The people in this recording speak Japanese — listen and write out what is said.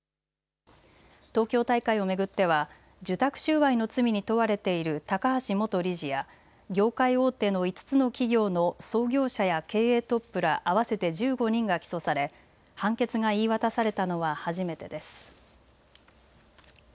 東京大会を巡っては受託収賄の罪に問われている高橋元理事や業界大手の５つの企業の創業者や経営トップら合わせて１５人が起訴され判決が言い渡されたのは初めてです。